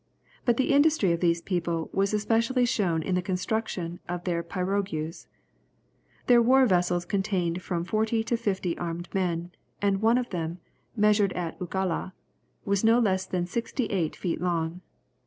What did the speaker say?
But the industry of these people was especially shown in the construction of their pirogues. Their war vessels contained from forty to fifty armed men, and one of them, measured at Ulaga, was no less than sixty eight feet long.